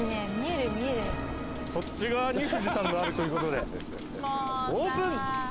そっち側に富士山があるということでオープン！